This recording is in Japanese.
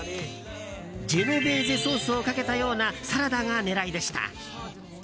ジェノベーゼソースをかけたようなサラダが狙いでした。